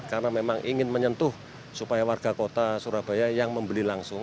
karena memang ingin menyentuh supaya warga kota surabaya yang membeli langsung